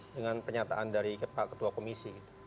dengan penyataan dari pak ketua komisi